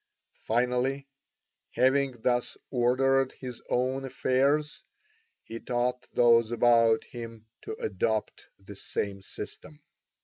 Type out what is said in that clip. Finally, having thus ordered his own affairs, he taught those about him to adopt the same system.